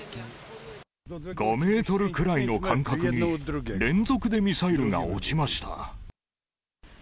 ５メートルくらいの間隔に、連続でミサイルが落ちました。